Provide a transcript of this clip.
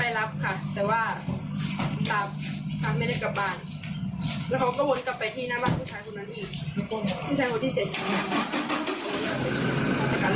ไม่ใช่ว่าที่เสร็จ